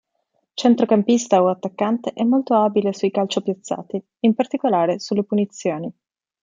Centrocampista o attaccante, è molto abile sui calcio piazzati, in particolare sulle punizioni.